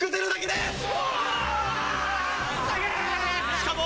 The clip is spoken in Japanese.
しかも。